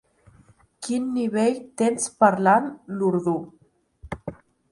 Quin nivell tens parlant l'urdú?